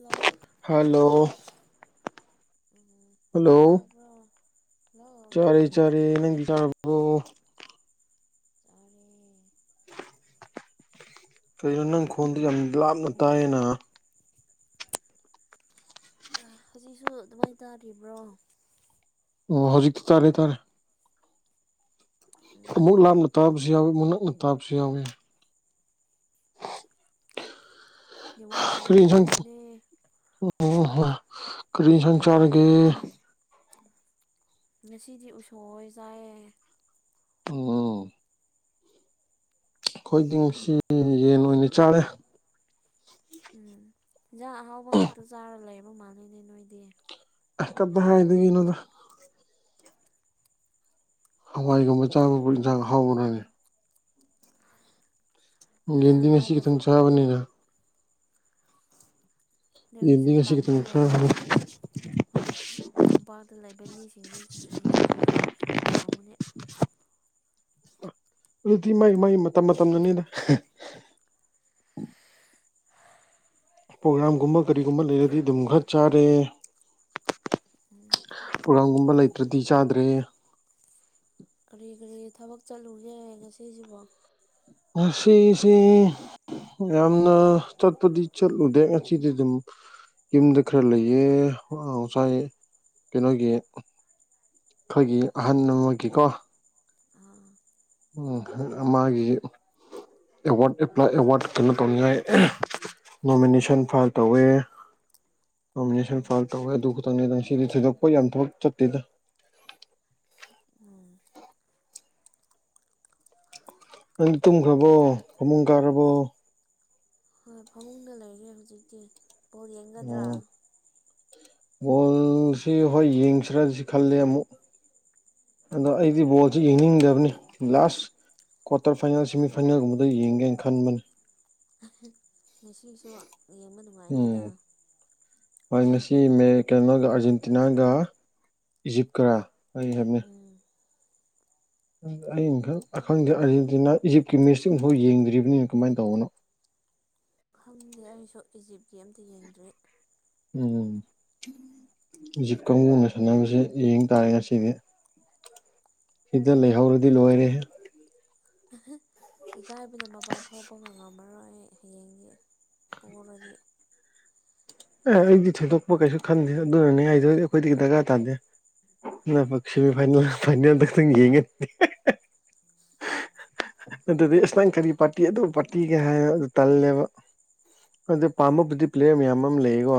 Hello hello ꯎꯝ ꯑꯣꯖꯥꯔꯕ꯭ꯔꯣ ꯆꯔ ꯆꯔ ꯅꯪꯗꯤ ꯆꯥꯔꯕꯣ ꯇꯔꯦ ꯀꯩꯅꯣ ꯅꯪ ꯈꯣꯟꯗ ꯌꯥꯝ ꯂꯥꯞꯅ ꯇꯥꯏꯌꯦꯅ [unintelligible] ꯍꯧꯖꯤꯛꯁꯨ ꯑꯗꯨꯃꯥꯏꯅ ꯇꯥꯔꯤꯕ꯭ꯔꯣ ꯑꯣ ꯍꯧꯖꯤꯛꯇꯤ ꯇꯥꯔꯦ ꯇꯥꯔꯦ ꯑꯃꯨꯛ ꯎꯝ ꯂꯥꯞꯅ ꯇꯥꯕꯁꯨ ꯌꯥꯎꯏꯤ ꯃꯨꯛ ꯅꯛꯅ ꯇꯥꯕꯁꯨ ꯌꯥꯎꯋꯤ ꯋꯥ ꯅꯨꯡꯉꯥꯏꯇꯕꯒꯤꯅꯦ ꯎ ꯀꯔꯤ ꯁ ꯆꯔꯒꯦ ꯉꯁꯤꯗꯤ ꯎꯁꯣꯛꯑꯣ ꯆꯥꯏꯌꯦꯦ ꯑꯣ ꯑꯩꯈꯣꯏꯗꯤꯡꯁꯤ ꯌꯦꯟ ꯑꯣꯏꯅ ꯆꯥꯔꯦ ꯎꯝ ꯍꯟꯖꯥꯡ ꯑꯍꯥꯎꯕ ꯈꯛꯇ ꯆꯥꯔ ꯂꯩꯔꯕ ꯃꯥꯜꯂꯅꯦ ꯅꯣꯏꯗꯤ ꯑ ꯀꯇ ꯍꯥꯏꯗꯣꯏꯒꯤꯅꯣꯗ ꯍꯋꯥꯏꯒꯨꯝꯕ ꯆꯥꯕꯕꯨ ꯌꯦꯟꯁꯥꯡ ꯍꯥꯎꯕꯅꯅꯤ ꯏꯟꯖꯥꯡ ꯒꯦꯟꯗꯤꯡ ꯑꯁꯤ ꯑꯍꯥꯎꯕ ꯈꯨꯗꯣꯡ ꯆꯥꯕꯅꯤꯅ ꯑꯗꯨ ꯌꯦꯟꯗꯤ ꯑꯣꯏꯔꯁꯨ ꯉꯁꯤ ꯇꯝꯗ ꯈꯤꯇꯪ ꯂꯩꯕꯗꯤ ꯆꯥꯕꯅꯤ ꯇꯝꯄꯥꯛꯇ ꯂꯩꯕ ꯃꯤꯁꯤꯡꯗꯤ ꯏꯟꯁꯥꯡꯗꯤ ꯈꯔ ꯍꯥꯎꯔꯝꯒꯅꯦ ꯑꯗꯨꯗꯤ ꯃꯒꯤ ꯃꯥꯏ ꯃꯇꯝ ꯃꯇꯝꯗꯨꯅꯤꯗ ꯄ꯭ꯔꯣꯒꯥ꯭ꯔꯥꯝꯒꯨꯝꯕ ꯀꯔꯤꯒꯨꯝꯕ ꯂꯩꯔꯗꯤ ꯑꯗꯨꯝ ꯈꯔ ꯆꯥꯔꯦ ꯎꯝ ꯄ꯭ꯔꯒꯥꯝꯒꯨꯝꯕ ꯂꯩꯇ꯭ꯔꯗꯤ ꯆꯥꯗ꯭ꯔꯦ ꯀꯔꯤ ꯀꯔꯤ ꯊꯕꯛ ꯆꯠꯂꯨꯒꯦ ꯉꯁꯤꯁꯤꯕꯣ ꯑꯁꯤꯁꯤꯁꯤ ꯌꯥꯝꯅ ꯆꯠꯄꯗꯤ ꯆꯠꯂꯨꯗꯦ ꯉꯁꯤꯗꯤ ꯑꯗꯨꯝ ꯌꯨꯝꯗ ꯈꯔ ꯂꯩꯌꯦ ꯉꯁꯥꯏ ꯀꯩꯅꯣꯒꯤ ꯑꯩꯈꯣꯏꯒꯤ ꯑꯍꯟ ꯑꯃꯒꯤꯀꯣ ꯑꯥ ꯎ ꯃꯥꯒꯤ ꯑꯦꯋꯥꯔꯗ ꯑꯦ ꯑꯦꯋꯥꯔꯗ ꯀꯩꯅꯣ ꯇꯧꯅꯤꯡꯉꯥꯏ ꯅꯣꯃꯤꯅꯦꯁꯟ ꯐꯥꯏꯜ ꯇꯧꯋꯦ ꯅꯣꯃꯤꯅꯦꯁꯟ ꯑꯣ ꯐꯥꯏꯜ ꯇꯧꯋꯦ ꯑꯗꯨ ꯈꯛꯇꯪꯅꯦꯗꯪ ꯁꯤꯗꯤ ꯊꯣꯏꯗꯣꯛꯄ ꯌꯥꯝ ꯊꯕꯛ ꯆꯠꯇꯦꯗ ꯎꯝ ꯅ ꯇꯨꯝꯈ꯭ꯔꯕꯣ ꯐꯃꯨꯡ ꯀꯥꯔꯕꯣ ꯍꯣꯏ ꯐꯃꯨꯡꯗ ꯂꯩꯔꯦ ꯍꯧꯖꯤꯛꯇꯤ ꯕꯣꯜ ꯌꯦꯡꯒꯗ꯭ꯔꯥ ꯕꯣꯜꯁꯤ ꯍꯣꯏ ꯌꯦꯡꯁꯤ꯭ꯔꯁꯤ ꯈꯂꯦ ꯑꯃꯨꯛ ꯑꯗꯣ ꯑꯩꯗꯤ ꯕꯣꯜꯁꯤ ꯌꯦꯡꯅꯤꯡꯗꯕꯅꯤ ꯂꯥꯁ ꯀ꯭ꯋꯥꯇꯔ ꯐꯥꯏꯅꯦꯜ ꯁꯦꯃꯤꯐꯥꯏꯅꯦꯜꯒꯨꯝꯕꯗ ꯌꯦꯡꯒꯦꯅ ꯈꯟꯕꯅꯤ ꯉꯁꯤꯁꯨ ꯌꯦꯡꯕ ꯅꯨꯡꯉꯥꯏꯅꯤꯗ ꯃꯣꯏ ꯉꯁꯤ ꯃ ꯀꯩꯅꯣꯒ ꯑꯥꯔꯖꯦꯟꯇꯤꯅꯥꯒ ꯏꯖꯤꯞꯀꯔꯥ ꯑꯩ ꯍꯥꯏ ꯎꯝ ꯑ ꯑꯈꯪꯗꯦ ꯑꯔꯖꯦꯟꯇꯤꯅꯥ ꯏꯖꯤꯞꯀꯤ ꯃꯦꯁꯇ ꯑꯃꯐꯥꯎ ꯌꯦꯡꯗ꯭ꯔꯤꯕꯅꯤꯅ ꯀꯃꯥꯏꯅ ꯇꯧꯕꯅꯣ ꯑꯗꯩ ꯑꯩꯁꯨ ꯏꯖꯤꯞꯀꯤ ꯑꯝꯇ ꯌꯦꯡꯗ꯭ꯔꯤ ꯎꯝ ꯖꯤꯞ ꯀꯥꯡꯕꯨꯅ ꯁꯥꯟꯅꯕꯁꯦ ꯌꯦꯡ ꯇꯥꯔꯦ ꯉꯁꯤꯗꯤ ꯁꯤꯗ ꯂꯩꯍꯧꯔꯗꯤ ꯂꯣꯏꯔꯦ ꯎ ꯏꯀꯥꯏꯕ ꯅ ꯃ ꯄꯥꯟ ꯊꯣꯛꯄ ꯉꯝꯉꯝꯃꯔꯣꯏ ꯑꯩ ꯍꯌꯦꯡꯗꯤ ꯄꯨꯔꯗꯤ ꯑꯦ ꯑꯩꯗꯤ ꯊꯣꯏꯗꯣꯛꯄ ꯀꯩꯁꯨ ꯈꯟꯗꯦ ꯑꯗꯨꯅꯅꯦ ꯑꯩꯗꯗꯤ ꯑꯩꯈꯣꯏꯗꯒꯤ ꯗꯔꯀꯥꯔ ꯇꯥꯗꯦ ꯅ ꯄꯁꯤꯃꯤ ꯐꯥꯏ ꯐꯅ ꯑꯗꯨ ꯑꯗꯨꯗꯤ ꯑꯦꯁ ꯅꯪ ꯀꯔꯤ ꯄꯥꯔꯇꯤ ꯑꯗꯨꯣ ꯄꯥꯔꯇꯤꯒꯦ ꯍꯥꯏꯅꯣ ꯇꯜꯂꯦꯕ ꯑꯗ ꯄꯥꯝꯕꯕꯨꯗꯤ ꯄ꯭ꯂꯦꯌꯔ ꯃꯌꯥꯝ ꯑꯃ ꯂꯩꯌꯦꯀꯣ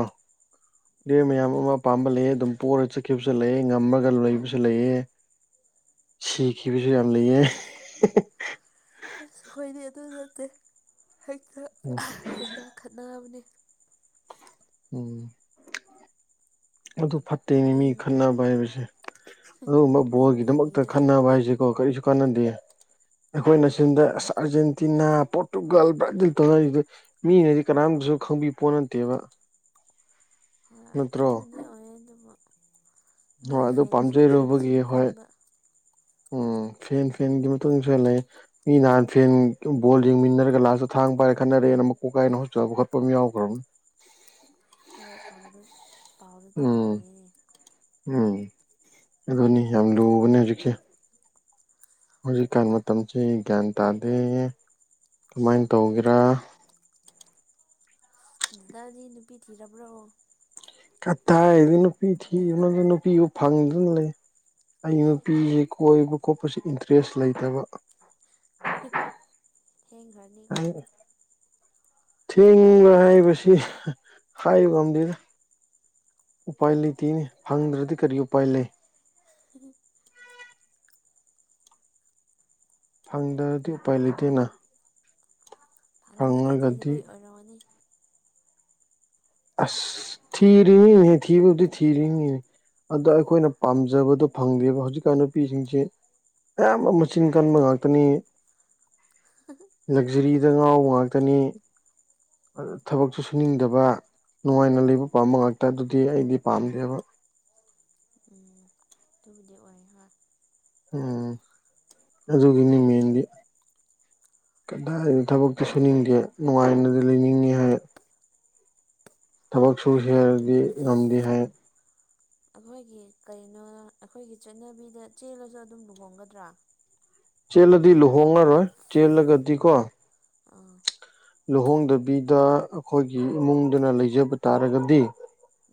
ꯗꯔ ꯎꯝ ꯃꯌꯥꯝ ꯑꯃ ꯑꯄꯥꯝꯕ ꯂꯩꯑꯦ ꯑꯗꯨꯝ ꯄꯔꯒ ꯆꯠꯈꯤꯕꯁꯨ ꯂꯩꯑꯦ ꯉꯝꯃꯒ ꯂꯩꯕꯁꯨ ꯂꯩꯑꯦ ꯁꯤꯈꯤ ꯄꯁꯨ ꯌꯥ ꯂꯩꯑꯦ ꯑꯁ ꯈꯣꯏꯗꯤ ꯑꯗꯨ ꯅꯠꯇꯦ ꯍꯦꯛꯇ ꯍꯦꯛꯇ ꯈꯠꯅꯕꯅꯤ ꯎꯝ ꯑꯗꯨ ꯐꯠꯇꯦꯅꯤ ꯃꯤ ꯈꯠꯅꯕ ꯍꯥꯏꯕꯁꯦ ꯑꯗꯨꯒꯨꯝꯕ ꯃꯤ ꯕꯣꯜꯒꯤꯗꯃꯛꯇ ꯃꯤꯒꯤꯗ ꯈꯟꯅꯅꯕ ꯍꯥꯏꯁꯀꯣ ꯀꯔꯤꯁꯨ ꯀꯥꯟꯅꯗꯦ ꯑꯩꯈꯣꯏꯅ ꯁꯤꯝꯗꯁ ꯑꯥꯔꯖꯦꯟꯇꯤꯅꯥ ꯄꯣꯔꯇꯨꯒꯜ ꯕ꯭ꯔꯥꯖꯤꯜ ꯇꯧꯅꯔꯤꯁꯤꯗ ꯃꯤꯅꯗꯤ ꯀꯅꯥꯝꯁꯨ ꯈꯪꯕꯤ ꯄꯣꯠ ꯅꯠꯇꯦꯕ ꯅꯠꯇ꯭ꯔꯣ ꯑꯗꯨꯃꯗꯤ ꯑꯣꯏꯌꯦ ꯑꯗꯨꯕꯨ ꯍꯣꯏ ꯃꯣꯏ ꯑꯗꯨ ꯐꯦꯟꯁꯤꯡꯁꯦ ꯄꯥꯝꯖꯔꯨꯕꯒꯤ ꯃꯆꯤꯟ ꯍꯣꯏ ꯀꯟꯕ ꯎꯝ ꯐꯦꯟ ꯐꯦꯟꯒꯤ ꯃꯇꯨꯡꯁꯨ ꯍꯜꯂ ꯃꯤ ꯅꯍꯥꯟ ꯐꯦꯟ ꯕꯣꯜ ꯌꯦꯡꯃꯤꯟꯅꯔꯒ ꯂꯥꯁꯇ ꯊꯥꯡ ꯄꯥꯏꯔ ꯈꯠꯅꯔꯦꯅ ꯑꯃꯛ ꯀꯣꯛ ꯀꯥꯏꯅ ꯍꯣꯁꯕ ꯈꯣꯠꯄ ꯑꯃ ꯌꯥꯎꯈ꯭ꯔꯕꯅꯤ ꯍꯔ ꯄꯥꯎꯗ ꯄꯥꯎꯗ ꯇꯥꯕ ꯎꯝ ꯐꯪꯉꯤꯅꯦ ꯎꯝ ꯑꯗꯨꯅꯤ ꯌꯥꯝ ꯂꯨꯕꯅꯦ ꯍꯧꯖꯤꯛꯁꯦ ꯍꯧꯖꯤꯛꯀꯥꯟ ꯃꯇꯝꯁꯤ ꯒ꯭ꯌꯥꯟ ꯇꯥꯗꯦ ꯀꯃꯥꯏꯅ ꯇꯧꯒꯦꯔꯥ ꯗꯥꯗꯤ ꯅꯨꯄꯤ ꯊꯤꯔꯕ꯭ꯔꯣ ꯀꯊꯥꯏꯗꯤ ꯅꯨꯄꯤ ꯊꯤꯅ ꯅꯨꯄꯤꯕꯨ ꯐꯪꯗꯨꯅ ꯂꯩ ꯑꯩ ꯅꯨꯄꯤꯁꯤ ꯀꯣꯏꯕ ꯈꯣꯠꯄꯁꯤ ꯏꯟꯇꯔꯦꯁ ꯂꯩꯇꯕ ꯍꯦꯡꯘꯔꯅꯤꯀꯣ ꯊꯦꯡꯕ ꯍꯥꯏꯕꯁꯤ ꯍꯥꯏꯕ ꯑꯝꯗ ꯎꯄꯥꯏ ꯂꯩꯇꯦꯅꯤ ꯐꯪꯗ꯭ꯔꯗꯤ ꯀꯔꯤ ꯎꯄꯥꯏ ꯂꯩ ꯎꯝ ꯐꯪꯗ꯭ꯔꯗꯤ ꯎꯄꯥꯏ ꯂꯩꯇꯦꯅ ꯑꯅꯤꯗ ꯊꯤꯗ ꯐꯪꯉꯒꯗꯤ ꯄꯩ ꯑꯣꯏꯔꯣꯅꯤ ꯑꯁ ꯊꯤꯔꯤꯅꯦ ꯊꯤꯕꯕꯨꯗꯤ ꯊꯤꯔꯤꯅꯦ ꯑꯗ ꯑꯩꯈꯣꯏꯅ ꯄꯥꯝꯖꯕꯗꯣ ꯐꯪꯗꯦꯕ ꯍꯧꯖꯤꯛꯀꯥꯟ ꯅꯨꯄꯤꯁꯤꯡꯁꯦ ꯑꯌꯥꯝꯕ ꯃꯆꯤꯟ ꯀꯟꯕ ꯉꯥꯛꯇꯅꯤ ꯂꯛꯖꯔꯤꯗ ꯉꯥꯎ ꯉꯥꯛꯇꯅꯤ ꯊꯕꯛꯁꯨꯨ ꯁꯨꯅꯤꯡꯗꯕ ꯅꯨꯡꯉꯥꯏꯅ ꯂꯩꯕ ꯄꯥꯝꯕ ꯉꯥꯛꯇ ꯑꯗꯨꯗꯤ ꯑꯩꯗꯤ ꯄꯥꯝꯗꯦꯕ ꯎꯝ ꯑꯗꯨꯕꯨꯗꯤ ꯑꯣꯏ ꯍꯥꯣꯏ ꯎꯝ ꯑꯗꯨꯒꯤꯅꯤ ꯃꯦꯟꯗꯤ ꯀꯗꯥꯏꯗꯣ ꯊꯕꯛꯇꯤ ꯁꯨꯅꯤꯡꯗꯦ ꯅꯨꯡꯉꯥꯏꯅꯗꯤ ꯂꯩꯅꯤꯡꯉꯤ ꯍꯥꯏ ꯊꯕꯛ ꯁꯨ ꯀꯩꯅꯣ ꯍꯦꯜꯔꯗꯤ ꯉꯝꯗꯦ ꯍꯥꯏ ꯑꯩꯈꯣꯏꯒꯤ ꯀꯩꯅꯣ ꯑꯩꯈꯣꯏꯒꯤ ꯆꯠꯅꯕꯤꯗ ꯆꯦꯜꯂꯁꯨ ꯑꯗꯨꯝ ꯂꯨꯍꯣꯡꯒꯗ꯭ꯔꯥ ꯆꯦꯜꯂꯗꯤ ꯂꯨꯍꯣꯡꯉꯔꯣꯏ ꯆꯦꯜꯂꯒꯗꯤ ꯀꯣ ꯑꯥ ꯂꯨꯍꯣꯡꯗꯕꯤꯗ ꯑꯩꯈꯣꯏꯒꯤ ꯏꯃꯨꯡꯗꯨꯅ ꯂꯩꯖꯕ ꯇꯥꯔꯒꯗꯤ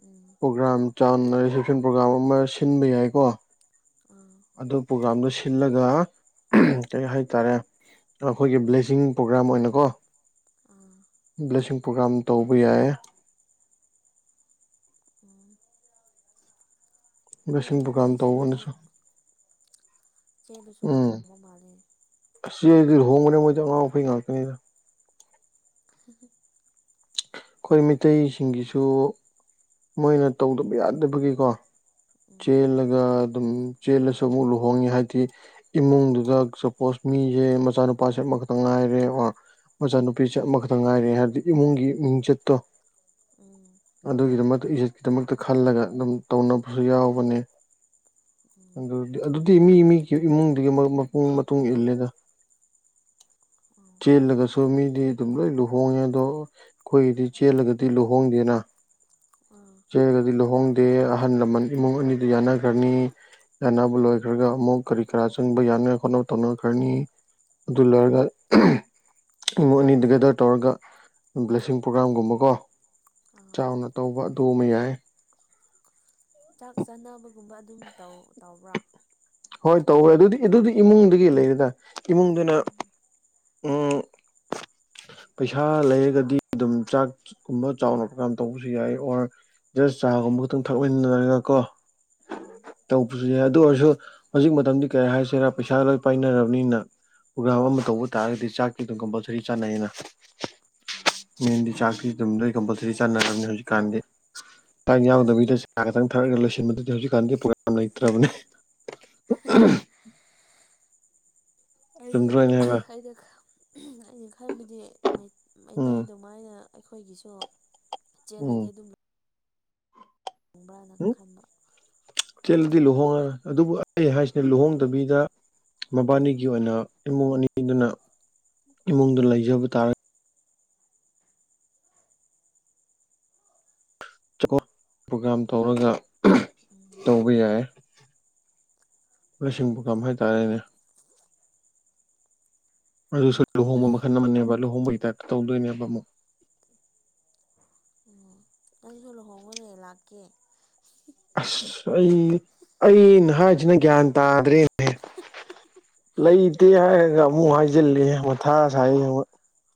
ꯎꯝ ꯄ꯭ꯔꯣꯒ꯭ꯔꯥꯝ ꯆꯥꯎꯅ ꯔꯤꯁꯦꯞꯁꯟ ꯄ꯭ꯔꯣꯒꯥ꯭ꯔꯥꯝ ꯑꯃ ꯁꯤꯟꯕ ꯌꯥꯏꯀꯣ ꯑꯥ ꯑꯗꯨ ꯄ꯭ꯔꯣꯒꯥꯝꯗ ꯁꯤꯜꯂꯒ ꯀꯩ ꯍꯥꯏꯇꯥꯔꯦ ꯑꯩꯈꯣꯏꯒꯤ ꯕ꯭ꯂꯦꯁꯤꯡ ꯄ꯭ꯔꯣꯒ꯭ꯔꯥꯝ ꯑꯣꯏꯅꯀꯣ ꯑꯥ ꯕ꯭ꯂꯦꯁꯤꯡ ꯄ꯭ꯔꯣꯒꯥꯝ ꯇꯧꯕ ꯌꯥꯏꯌꯦ ꯑ ꯑꯩꯈꯣꯏ ꯕ꯭ꯂꯦꯁꯤꯡ ꯄ꯭ꯔꯣꯒꯥ꯭ꯔꯥꯝ ꯃꯩꯇꯩꯁꯤꯡꯁꯤ ꯇꯧꯕꯅꯁꯨ ꯏꯆꯦꯜꯂꯁꯨ ꯂꯨꯍꯣꯡꯕ ꯃꯥꯜꯂꯦ ꯆꯦꯜꯂꯗꯤ ꯂꯨꯍꯣꯡꯕꯅꯦ ꯃꯣꯏꯗꯤ ꯑꯉꯥꯎ ꯑꯐꯩ ꯉꯥꯛꯇꯅꯤꯗ [unintelligible] ꯑꯩꯈꯣꯏ ꯃꯤꯇꯩꯩꯁꯤꯡꯒꯤꯁꯨ ꯃꯣꯏꯅ ꯇꯧꯗꯕ ꯌꯥꯗꯕꯒꯤꯀꯣ ꯎꯝ ꯆꯦꯜꯂꯒ ꯑꯗꯨꯝ ꯆꯦꯜꯂꯁꯨ ꯑꯃꯨꯛ ꯂꯨꯍꯣꯡꯉꯦ ꯍꯥꯏꯕꯗꯤ ꯏꯃꯨꯡꯗꯨꯗ ꯁꯄꯣꯁ ꯃꯤꯁꯦ ꯃꯆꯥꯅꯨꯄꯥꯁꯦ ꯑꯃꯈꯛꯇꯪ ꯉꯥꯏꯔꯦ ꯑꯣ ꯃꯆꯥꯅꯨꯄꯤ ꯁꯦ ꯑꯃꯈꯇꯪ ꯉꯥꯏꯔꯦ ꯍꯥꯏꯕꯗꯤ ꯏꯃꯨꯡꯒꯤ ꯃꯤꯡꯆꯠꯇꯣ ꯎꯝ ꯑꯗꯨꯒꯤꯗꯃꯛꯇ ꯏꯖꯠꯀꯤꯗꯃꯛꯇ ꯈꯜꯂꯒ ꯑꯗꯨꯝ ꯇꯧꯅꯕꯁꯨ ꯌꯥꯎꯕꯅꯦ ꯎꯝ ꯑꯗꯨꯗꯤ ꯑꯗꯨꯗꯤ ꯃꯤ ꯃꯤꯒꯤ ꯏꯃꯨꯡꯗꯨꯒꯤ ꯃꯄꯨꯡ ꯃꯇꯨꯡ ꯏꯜꯂꯦꯗ ꯎꯝ ꯆꯦꯜꯂꯒꯁꯨ ꯃꯤꯗꯤ ꯑꯗꯨꯝ ꯂꯣꯏ ꯂꯨꯍꯣꯡꯉꯦ ꯑꯗꯣ ꯑꯩꯈꯣꯏꯒꯤꯗꯤ ꯆꯦꯜꯂꯒꯗꯤ ꯂꯨꯍꯣꯡꯗꯦꯅ ꯑꯥ ꯆꯦꯜꯂꯒꯗꯤ ꯂꯨꯍꯣꯡꯗꯦ ꯑꯍꯜ ꯂꯃꯟ ꯏꯃꯨꯡ ꯑꯅꯤꯗꯨ ꯌꯥꯅꯈ꯭ꯔꯅꯤ ꯌꯥꯅꯕ ꯂꯣꯏꯈ꯭ꯔꯒ ꯑꯃꯨꯛ ꯀꯔꯤ ꯀꯔꯥ ꯆꯪꯕ ꯌꯥꯅꯥꯏ ꯈꯣꯠꯅꯕ ꯇꯧꯅꯈ꯭ꯔꯅꯤ ꯑꯗꯨ ꯂꯣꯏꯔꯒ ꯏꯃꯨꯡ ꯑꯅꯤ ꯇꯨꯒꯦꯗꯔ ꯇꯧꯔꯒ ꯁꯤꯡ ꯄ꯭ꯔꯣꯒꯥꯥꯝꯒꯨꯝꯕꯀꯣ ꯑꯥ ꯆꯥꯎꯅ ꯇꯧꯕ ꯑꯗꯨ ꯑꯃ ꯌꯥꯏ ꯆꯥꯛ ꯆꯥꯅꯕꯒꯨꯝꯕ ꯑꯗꯨꯝ ꯇꯧꯕ꯭ꯔꯥ ꯍꯣꯏ ꯇꯧꯋꯦ ꯑꯗꯨꯗꯤ ꯑꯗꯨꯗꯤ ꯏꯃꯨꯡꯗꯒꯤ ꯂꯩꯔꯦꯗ ꯏꯃꯨꯡꯗꯨꯅ ꯎꯝ ꯎꯝ ꯄꯩꯁꯥ ꯂꯩꯔꯒꯗꯤ ꯑꯗꯨꯝ ꯆꯥꯛ ꯀꯨꯝꯕ ꯆꯥꯎꯅ ꯄ꯭ꯔꯣꯒꯝ ꯇꯧꯕꯁꯨ ꯌꯥꯏ ꯑꯣꯔ ꯖꯁ ꯆꯥꯒꯨꯝꯕ ꯈꯛꯇꯪ ꯊꯛꯃꯤꯟꯅꯔꯒ ꯀꯣ ꯎꯝ ꯇꯧꯕꯁꯨ ꯌꯥꯏ ꯑꯗꯨ ꯑꯣꯏꯔꯁꯨ ꯍꯧꯖꯤꯛ ꯃꯇꯝꯗꯤ ꯀꯔꯤ ꯍꯥꯏꯁꯤꯔꯥ ꯄꯩꯁꯥ ꯂꯣꯏ ꯄꯥꯏꯅꯔꯕꯅꯤꯅ ꯄ꯭ꯔꯣꯒ꯭ꯔꯥꯝ ꯑꯃ ꯇꯧꯕ ꯇꯥꯔꯒꯗꯤ ꯆꯥꯛꯇꯤ ꯑꯗꯨꯝ ꯀꯝꯄꯜꯁꯔꯤ ꯆꯥꯅꯩꯌꯦꯅ ꯎꯝ ꯃꯦꯟꯗꯤ ꯆꯥꯛꯁꯤ ꯇꯝꯗꯣꯏ ꯀꯝꯄꯜꯁꯔꯤ ꯆꯥꯟꯅꯔꯝꯅꯤ ꯍꯧꯖꯤꯛꯀꯥꯟꯗꯤ ꯌꯥꯎꯗꯕꯤꯗ ꯆꯥ ꯈꯛꯇꯪ ꯊꯛꯑꯒ ꯂꯣꯏꯁꯤꯟꯕꯗꯨꯗꯤ ꯍꯧꯖꯤꯛꯀꯥꯟꯗꯤ ꯄ꯭ꯔꯣꯒ꯭ꯔꯥꯝ ꯂꯩꯇ꯭ꯔꯕꯅꯤ ꯑꯍꯥꯝ ꯑꯩ ꯆꯨꯝꯗ꯭ꯔꯣ ꯑꯩꯅ ꯍꯥꯏꯕ ꯑꯩꯅ ꯑꯩꯅ ꯈꯟꯕꯗꯤ ꯃꯩꯇꯩ ꯎꯝ ꯑꯗꯨꯃꯥꯏꯅ ꯑꯩꯈꯣꯏꯒꯤꯁꯨ ꯎꯝ ꯆꯂꯗꯤ ꯑꯗꯨꯝ ꯕ꯭ꯔꯥꯅ ꯎꯝ ꯈꯟꯕ ꯆꯦꯜꯂꯗꯤ ꯂꯨꯍꯣꯡꯉ ꯑꯗꯨꯕꯨ ꯑꯩ ꯍꯥꯏꯁꯤꯅ ꯂꯨꯍꯣꯡꯗꯕꯤꯗ ꯃꯕꯥꯅꯤꯒꯤ ꯑꯣꯏꯅ ꯏꯃꯨꯡ ꯑꯅꯤꯗꯨꯅ ꯏꯃꯨꯡꯗ ꯂꯩꯖꯕ ꯇꯥꯔꯒ ꯄ꯭ꯔꯣꯒꯥꯝ ꯇꯧꯔꯒ ꯎꯝ ꯇꯧꯕ ꯌꯥꯏ ꯂꯧꯁꯤꯡꯕ ꯀꯝ ꯍꯥꯏꯇꯥꯔꯦꯅꯦ ꯑꯗꯨꯁꯨ ꯂꯨꯍꯣꯡꯕ ꯃꯈꯜ ꯑꯃꯅꯦꯕ ꯂꯨꯍꯣꯡꯕꯒꯤ ꯇꯥꯏꯞꯇ ꯇꯧꯗꯣꯏꯅꯦꯕ ꯑꯃꯨꯛ ꯑꯣ ꯅꯪꯁꯨ ꯂꯨꯍꯣꯉꯣ ꯏꯂꯥꯛꯀꯦ ꯑꯁ ꯑꯩ ꯑꯩꯅ ꯍꯥꯏꯁꯤꯅ ꯒ꯭ꯌꯥꯟ ꯇꯥꯗ꯭ꯔꯦꯅꯦ ꯂꯩꯇꯦ ꯍꯥꯏꯔꯒ ꯑꯃꯨꯛ ꯍꯥꯏꯖꯤꯂꯦ ꯃꯊ ꯁꯥꯏ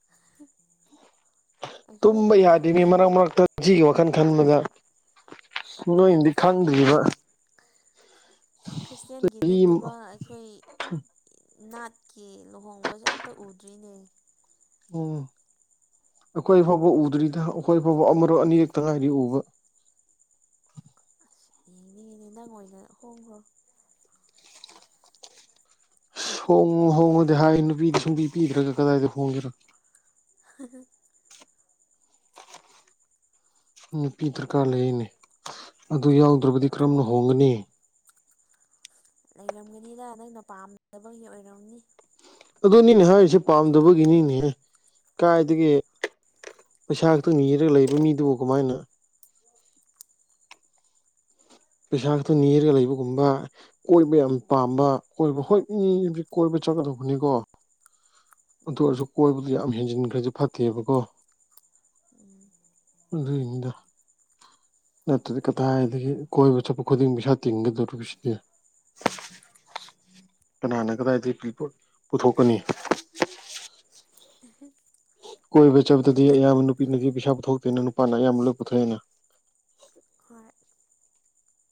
ꯍ ꯇꯨꯝꯕ ꯌꯥꯗꯦ ꯃꯤ ꯃꯔꯛ ꯃꯔꯛꯇ ꯃꯁꯤꯒꯤ ꯋꯥꯈꯜ ꯈꯟꯕꯗ ꯅꯣꯏꯅꯗꯤ ꯈꯪꯗ꯭ꯔꯤꯕ ꯈ꯭ꯔꯤꯁꯇꯦꯟꯒꯤ ꯅꯠ ꯆꯍꯤ ꯅꯠꯇꯕ ꯑꯩꯈꯣꯏ ꯅꯥꯠꯀꯤ ꯂꯨꯍꯣꯡꯕꯁꯦ ꯑꯝꯇ ꯎꯗ꯭ꯔꯤꯅꯦ ꯎꯝ ꯑꯩꯈꯣꯏ ꯐꯥꯎꯕ ꯎꯗ꯭ꯔꯤꯗ ꯑꯩꯈꯣꯏ ꯐꯥꯎꯕ ꯑꯃꯔꯛ ꯑꯅꯤꯔꯛꯇ ꯉꯥꯏꯔꯤ ꯎꯕ ꯏꯅꯤꯉꯤꯅꯦ ꯅꯪ ꯑꯣꯏꯅꯥ ꯍꯣꯡꯈ꯭ꯔꯣ ꯍꯣꯡꯉꯨ ꯍꯣꯡꯉꯨꯗꯤ ꯍꯥꯏ ꯅꯨꯄꯤꯗꯤ ꯁꯨꯡꯄꯤ ꯄꯤꯗ꯭ꯔꯒ ꯀꯗꯥꯏꯗ ꯍꯣꯡꯒꯦꯔ ꯍꯥꯍꯥ ꯅꯨꯄꯤ ꯗꯔꯀꯥꯔ ꯂꯩꯔꯤꯅꯦ ꯑꯗꯨ ꯌꯥꯎꯗ꯭ꯔꯕꯗꯤ ꯀꯔꯝꯅ ꯍꯣꯡꯒꯅꯤ꯫ ꯂꯩꯔꯝꯒꯅꯤꯗ ꯅꯪꯅ ꯄꯥꯝꯗꯕꯒꯤ ꯑꯣꯏꯔꯝꯅꯤ꯫ ꯑꯗꯨꯅꯤꯅꯦ ꯍꯥꯏꯔꯤꯁꯦ ꯄꯥꯝꯗꯕꯒꯤꯅꯤꯅꯦ ꯀꯥꯏꯗꯒꯤ ꯄꯩꯁꯥ ꯈꯛꯇ ꯅꯤꯔꯒ ꯂꯩꯕ ꯃꯤꯗꯨꯕꯨ ꯀꯃꯥꯏꯅ ꯄꯩꯁꯥ ꯈꯛꯇ ꯅꯤꯔꯒ ꯂꯩꯕꯒꯨꯝꯕ꯫ ꯀꯣꯏꯕ ꯌꯥꯝ ꯄꯥꯝꯕ ꯀꯣꯏꯕ ꯍꯣꯏ ꯏ ꯀꯣꯏꯕ ꯆꯠꯀꯗꯧꯕꯅꯤꯀꯣ꯫ ꯑꯗꯨ ꯎꯝ ꯑꯣꯏꯔꯁꯨ ꯀꯣꯏꯕꯗꯨ ꯌꯥꯝ ꯍꯦꯟꯖꯤꯟꯈ꯭ꯔꯁꯨ ꯐꯠꯇꯦꯕꯀꯣ꯫ ꯎꯝ ꯑꯗꯨꯒꯤꯅꯤꯗ ꯅꯠꯇ꯭ꯔꯗꯤ ꯀꯗꯥꯏꯗꯒꯤ ꯀꯣꯏꯕ ꯆꯠꯄ ꯈꯨꯗꯤꯡ ꯄꯩꯁꯥ ꯇꯤꯡꯒꯗꯧꯔꯤꯕꯁꯤꯗꯤ꯫ ꯀꯅꯥꯅ ꯀꯗꯥꯏꯗꯒꯤ ꯄꯨꯊꯣꯛꯀꯅꯤ꯫ ꯎꯝꯍꯨꯝ ꯀꯣꯏꯕ ꯆꯕꯗꯗꯤ ꯑꯌꯥꯝꯕ ꯅꯨꯄꯤꯅꯗꯤ ꯄꯩꯁꯥ ꯄꯨꯊꯣꯛꯇꯦꯅ ꯅꯨꯄꯥꯅ ꯑꯌꯥꯝꯕ ꯂꯣꯏ ꯄꯨꯊꯣꯛꯑꯦꯅ꯫ ꯍꯣꯏ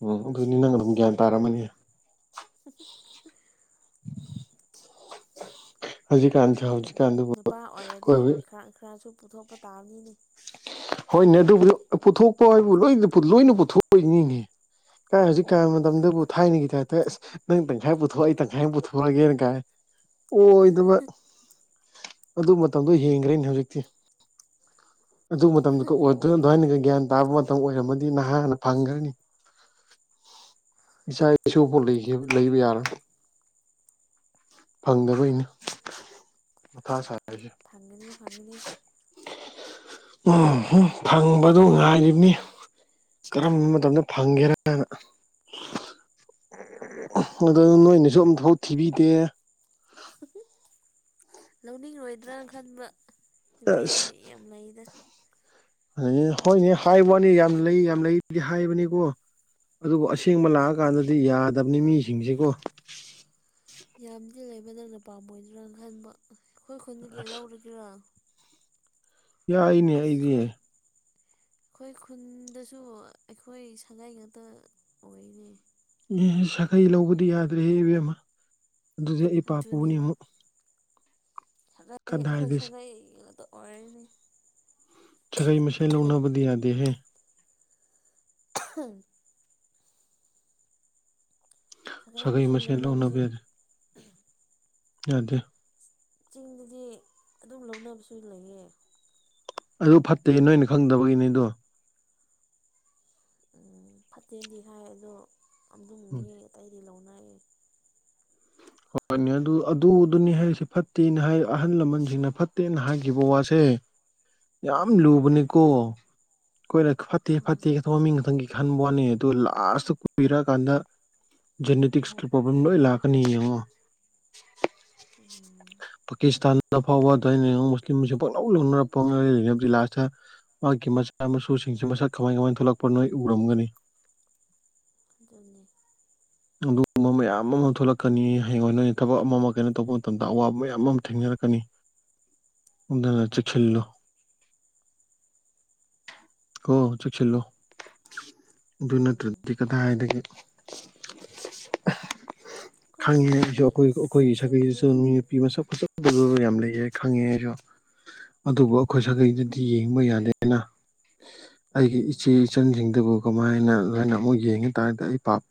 ꯎꯝ ꯑꯗꯨꯅꯤ ꯅꯪ ꯑꯗꯨꯝ ꯒ꯭ꯌꯥꯟ ꯇꯥꯔꯝꯃꯅꯤ ꯍꯧꯖꯤꯛ ꯀꯥꯟ ꯁꯦ ꯍꯧꯖꯤꯛ ꯅꯨꯄꯥ ꯑꯣꯏꯔꯗꯤ ꯈꯔ ꯈꯔꯁꯨ ꯄꯨꯊꯣꯛꯄ ꯇꯥꯕꯅꯤꯅꯦ꯫ ꯍꯣꯏꯅꯦ ꯑꯗꯨꯕꯨ ꯄꯨꯊꯣꯛꯄ ꯍꯥꯏꯕꯨ ꯂꯣꯏ ꯂꯣꯏꯅ ꯄꯨꯊꯣꯛ ꯄꯩꯅꯤꯅꯦ꯫ ꯀꯥꯏ ꯍꯧꯖꯤꯛ ꯀꯥꯟ ꯃꯇꯝꯗꯕꯨ ꯊꯥꯏꯅꯒꯤ ꯇꯥꯏꯞꯇꯥ ꯑꯁ ꯅꯪ ꯇꯪꯈꯥꯏ ꯄꯨꯊꯣꯛ ꯑꯩ ꯇꯪꯈꯥꯏ ꯑꯃ ꯄꯨꯊꯣꯛꯑꯒꯦꯅ ꯀꯥꯏ ꯑꯣꯏꯗꯕ ꯑꯗꯨ ꯃꯇꯝꯗꯣ ꯍꯦꯟꯈ꯭ꯔꯦꯅꯦ ꯍꯧꯖꯤꯛꯇꯤ꯫ ꯑꯗꯨ ꯃꯇꯝꯗꯨꯒ ꯑꯗꯨꯃꯥꯏꯅꯒ ꯒ꯭ꯌꯥꯟ ꯇꯥꯕ ꯃꯇꯝ ꯑꯣꯏꯔꯝꯃꯗꯤ ꯅꯍꯥꯥꯟꯅ ꯐꯪꯈ꯭ꯔꯅꯤ ꯏꯆꯥ ꯏꯁꯨ ꯐꯥꯎ ꯂꯩꯕ ꯌꯥꯔꯣꯏ ꯐꯪꯗꯕꯒꯤꯅꯦ ꯃꯊꯥ ꯁꯥꯔꯤꯁꯦ ꯐꯪꯒꯅꯤ ꯐꯪꯅꯤ ꯎꯝ ꯎꯝ ꯐꯪꯕꯗꯣ ꯉꯥꯏꯔꯤꯕꯅꯤ ꯀꯔꯝꯕ ꯃꯇꯝꯗ ꯐꯪꯒꯦꯔꯅ ꯑꯗꯨ ꯅꯣꯏꯅꯁꯨ ꯑꯝ ꯐꯥꯎ ꯊꯤꯕꯤꯗꯦ꯫ ꯂꯧꯅꯤꯡꯂꯣꯏꯗ꯭ꯔꯥꯅ ꯈꯟꯕ ꯅꯨꯄꯤꯗꯤ ꯌꯥꯝ ꯂꯩꯗ꯫ ꯑꯗꯨ ꯍꯣꯏꯅꯦ ꯍꯥꯏꯕ ꯋꯥꯅꯤ ꯌꯥꯝ ꯂꯩ ꯌꯥꯝ ꯂꯩꯗꯤ ꯍꯥꯏꯕꯅꯤꯀꯣ꯫ ꯑꯗꯨꯕꯨ ꯑꯁꯦꯡꯕ ꯂꯥꯛꯑꯀꯥꯟꯗꯗꯤ ꯌꯥꯗꯕꯅꯤ ꯃꯤꯁꯤꯡꯁꯤꯀꯣ꯫ ꯌꯥꯝꯗꯤ ꯂꯩꯕ ꯅꯪꯅ ꯄꯥꯝꯃꯣꯏꯗ꯭ꯔꯥꯅ ꯈꯟꯕ ꯑꯩꯈꯣꯏ ꯈꯨꯟꯗꯨꯒꯤ ꯑꯁ ꯂꯧꯔꯒꯦꯔꯥ꯫ ꯌꯥꯏꯅꯦ꯫ ꯑꯩꯗꯤ ꯑꯩꯈꯣꯏ ꯑꯦ ꯑꯩꯈꯣꯏ ꯈꯨꯟꯗꯁꯨ ꯑꯩꯈꯣꯏ ꯁꯥꯒꯩꯏ ꯉꯥꯛꯇ ꯑꯣꯏꯅꯦ ꯑꯦ ꯁꯥꯒꯩ ꯂꯧꯕꯗꯤ ꯌꯥꯗ꯭ꯔꯦ ꯏꯕꯦꯝꯃ ꯑꯗꯨꯗꯤ ꯑꯩ ꯄꯥꯞꯄꯨꯅꯤ ꯑꯗꯨꯅꯦꯕ ꯑꯃꯨꯛ꯫ ꯁꯒꯩ ꯑꯩꯈꯣꯏ ꯀꯗꯥꯏꯗ ꯁꯒꯩ ꯉꯥꯛꯇ ꯑꯣꯏꯔꯅꯦ꯫ ꯁꯥꯒꯩ ꯃꯁꯦꯜ ꯂꯧꯅꯕꯗꯤ ꯌꯥꯗꯦꯍꯦ꯫ [unintelligible] ꯁꯒꯩ ꯁꯥꯒꯩ ꯃꯆꯦꯜ ꯃꯁꯦꯜ ꯂꯧꯅꯕꯁꯤ ꯌꯥꯗꯤ꯫ ꯆꯤꯡꯗꯗꯤ ꯑꯗꯨꯝ ꯂꯧꯅꯕꯁꯨ ꯂꯩꯌꯦ꯫ ꯑꯗꯨ ꯐꯠꯇꯦ ꯅꯣꯏꯅ ꯈꯪꯗꯕꯒꯤꯅꯤꯗꯣ꯫ ꯎꯝ ꯐꯠꯇꯦꯗꯤ ꯍꯥꯏ ꯑꯗꯣ ꯑꯗꯨꯝ ꯎꯝ ꯃꯤ ꯑꯇꯩꯗꯤ ꯂꯧꯅꯩ꯫ ꯍꯣꯏꯅꯦ ꯑꯗꯨ ꯑꯗꯨꯗꯨꯅꯤ ꯍꯥꯏꯁꯦ ꯐꯠꯇꯦꯅ ꯍꯥꯏ ꯑꯍꯜ ꯂꯃꯟꯁꯤꯡꯅ ꯐꯠꯇꯦꯅ ꯍꯥꯏꯈꯤꯕ ꯋꯥꯁꯦ ꯌꯥꯝ ꯎꯝ ꯂꯨꯕꯅꯤꯀꯣ ꯑꯩꯈꯣꯏꯅ ꯐꯠꯇꯦ ꯑꯥ ꯐꯠꯇꯦ ꯃꯃꯤꯡ ꯈꯊꯪꯒꯤ ꯈꯟꯕ ꯋꯥꯠꯅꯤ ꯑꯗꯨ ꯂꯥꯁꯇ ꯇ ꯀꯨꯏꯔꯛꯑꯀꯥꯟꯗ ꯖꯅꯦꯇꯤꯁꯀꯤ ꯄ꯭ꯔꯣꯕ꯭ꯂꯦꯝ ꯂꯣꯏꯅ ꯂꯥꯛꯀꯅꯤ ꯌꯦꯡꯉꯣ ꯎꯝ ꯄꯥꯀꯤꯁꯇꯥꯟ ꯗ ꯐꯥꯎꯕ ꯑꯗꯩ ꯂꯤꯂꯣꯡ ꯃꯨꯁꯂꯤꯝ ꯒꯩꯁꯨ ꯃꯨꯁꯂꯤꯝꯁ ꯄꯛ ꯂꯧꯥꯎ ꯂꯅꯔ ꯃꯍꯥꯛꯀꯤ ꯃꯆꯥ ꯃꯁꯨꯁꯤꯡꯁꯤꯁꯨ ꯃꯁꯛ ꯀꯃꯥꯏ ꯀꯃꯥꯏꯅ ꯊꯣꯛꯂꯛꯄ ꯅꯣꯏ ꯎꯔꯝꯒꯅꯤ꯫ ꯑꯗꯨꯅꯤ ꯑꯗꯨꯒꯨꯝꯕ ꯃꯌꯥꯝ ꯑꯃ ꯊꯣꯛꯂꯛꯀꯅꯤ ꯍꯌꯦꯡꯋꯥꯏ ꯅꯣꯏꯅ ꯊꯕꯛ ꯑꯃ ꯑꯃ ꯀꯩꯅꯣ ꯇꯧꯕ ꯃꯇꯝꯗ ꯑꯋꯥꯕ ꯃꯌꯥꯝ ꯑꯃ ꯊꯦꯡꯅꯔꯛꯀꯅꯤ ꯑꯗꯨꯅ ꯆꯦꯛꯁꯜꯂꯨ ꯀꯣ ꯆꯦꯛꯁꯜꯂꯣ ꯑꯗꯨ ꯎꯝ ꯅꯠꯇ꯭ꯔꯗꯤ ꯀꯗꯥꯏꯗꯒꯤ ꯑꯩꯈꯣꯏ ꯈꯪꯉꯦ ꯑꯩꯁꯨ ꯆꯤꯡꯗꯗꯤ ꯑꯩꯈꯣꯏ ꯑꯁ ꯑꯩꯈꯣꯏꯒꯤ ꯁꯒꯩꯗꯁꯨ ꯆꯦꯛꯁꯤꯟꯗ꯭ꯔꯦꯅꯦ ꯅꯨꯄꯤ ꯃꯁꯛ ꯐꯥꯖ ꯐꯥꯖꯕ ꯌꯥꯝ ꯂꯩꯌꯦ ꯈꯪꯉꯦ ꯑꯩꯁꯨ ꯑꯗꯨꯕꯨ ꯑꯩꯈꯣꯏ ꯁꯥꯒꯩꯗꯗꯤ ꯌꯦꯡꯕ ꯌꯥꯗꯦꯅ ꯑꯩꯒꯤ ꯎꯝ ꯏꯆꯦ ꯏꯆꯟꯁꯤꯡꯗꯨꯕꯨ ꯀꯃꯥꯏꯅ ꯂꯣꯏꯅ ꯑꯃꯨꯛ ꯌꯦꯡꯉꯗꯤ [unintelligible] ꯑꯩ ꯄꯥꯞ